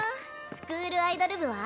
スクールアイドル部は？